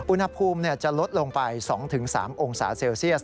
อุณหภูมิจะลดลงไป๒๓องศาเซลเซียส